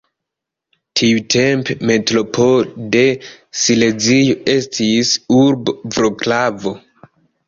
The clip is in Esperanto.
Tiutempe metropolo de Silezio estis urbo Vroclavo.